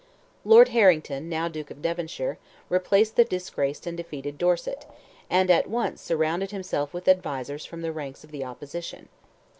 Lord Harrington, now Duke of Devonshire, replaced the disgraced and defeated Dorset, and at once surrounded himself with advisers from the ranks of the opposition.